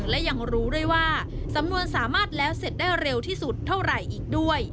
และยังรู้ด้วยว่าสำนวนสามารถแล้วเสร็จได้เร็วที่สุดเท่าไหร่อีกด้วย